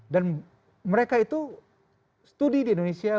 mereka itu studi di indonesia